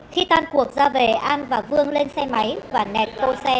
khi tan cuộc ra về an và vương lên xe máy và nẹt bô xe máy